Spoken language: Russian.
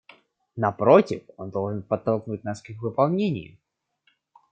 Напротив, он должен подтолкнуть нас к их выполнению.